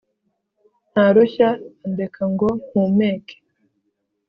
ntarushya andeka ngo mpumeke